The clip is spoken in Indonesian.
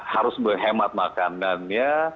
harus berhemat makanannya